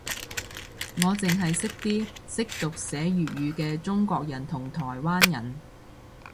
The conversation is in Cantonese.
我剩係識啲識讀寫粵語嘅中國人同台灣人